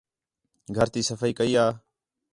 گھر تی صفائی کَئی یا